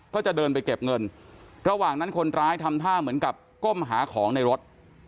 ก็จะเดินไปเก็บเงินระหว่างนั้นคนร้ายทำท่าเหมือนกับก้มหาของในรถ